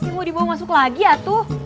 mau dibawa masuk lagi ya tuh